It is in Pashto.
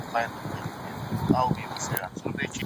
هم قاضي او هم کوټوال یې دی وژلی